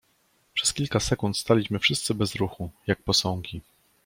"Przez kilka sekund staliśmy wszyscy bez ruchu, jak posągi."